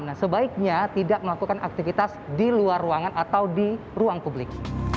nah sebaiknya tidak melakukan aktivitas di luar ruangan atau di ruang publik